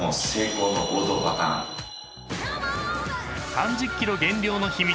［３０ｋｇ減量の秘密